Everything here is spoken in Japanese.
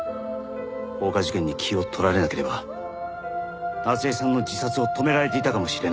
放火事件に気を取られなければ夏恵さんの自殺を止められていたかもしれないと。